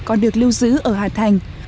còn được lưu giữ ở hà thành